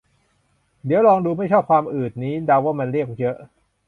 เดี๋ยวลอง ดู ไม่ชอบความอืดนี้ เดาว่ามันเรียก เยอะ